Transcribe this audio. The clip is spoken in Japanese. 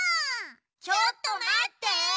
ちょっとまって！